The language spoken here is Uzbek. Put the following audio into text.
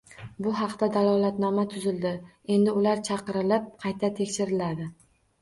Bu haqda dalolatnoma tuzildi, endi ular chaqirilib, qayta tekshiriladi